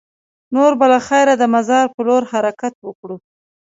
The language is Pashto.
نور به له خیره د مزار په لور حرکت وکړو.